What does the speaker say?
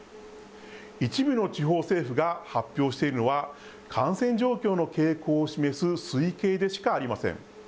一部の地方政府が発表しているのは、感染状況の傾向を示す推計でしかありません。